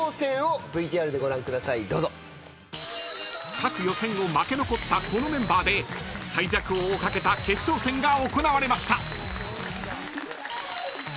［各予選を負け残ったこのメンバーで最弱王をかけた決勝戦が行われました］